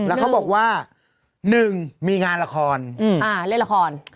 แล้วเขาบอกว่าหนึ่งมีงานละครอืมอ่าเล่นละคร